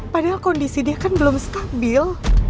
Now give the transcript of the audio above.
padahal kondisi dia kan belum stabil